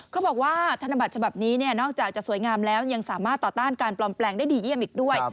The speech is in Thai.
เขาบอกว่าธนบัตรฉบับนี้นอกจากจะสวยงามแล้วยังสามารถต่อต้านการปลอมแปลงได้ดีเยี่ยมอีกด้วย